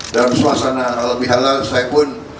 dalam suasana alami halal saya pun